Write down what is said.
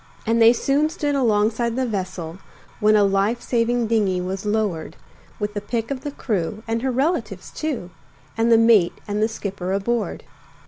And they soon stood alongside the vessel, When a life saving dingey was lowered With the pick of the crew, and her relatives, too, And the mate and the skipper aboard.